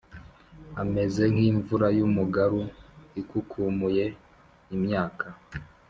ameze nk’imvura y’umugaru ikukumuye imyaka